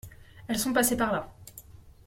Elles sont passées par là.